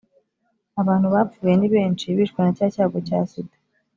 abantu bapfuye ni benshi bishwe na cya cyago sida